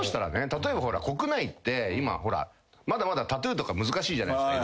例えば国内って今ほらまだまだタトゥーとか難しいじゃないっすか。